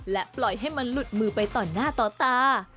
และปล่อยให้มันหลุดมือไปต่อหน้าต่อตา